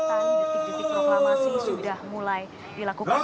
kegiatan detik detik proklamasi sudah mulai dilakukan